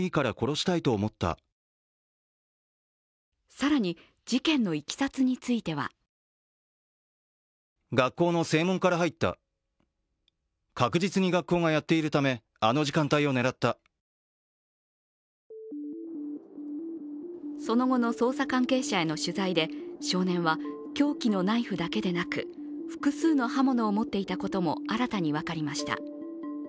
更に事件のいきさつについてはその後の捜査関係者への取材で少年は凶器のナイフだけでなく複数の刃物を持っていたことも新たに分かりました。